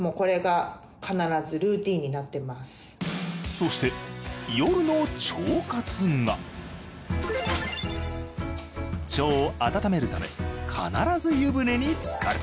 そして夜の腸活が腸を温めるため必ず湯船につかる。